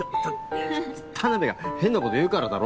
田辺が変なこと言うからだろ。